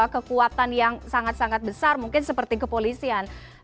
kekuatan yang sangat sangat besar mungkin seperti kepolisian